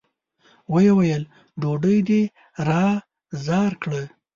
ويې ويل: ډوډۍ دې را زار کړه!